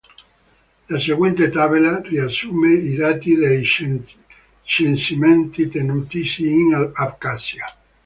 La seguente tabella riassume i dati dei censimenti tenutisi in Abcasia.